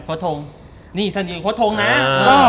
คดทงนี่สนิทคดทงฮะ